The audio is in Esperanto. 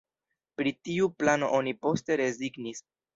Pri tiu plano oni poste rezignis.